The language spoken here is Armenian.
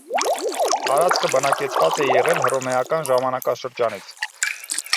Տարածքը բնակեցված է եղել հռոմեական ժամանակաշրջանից։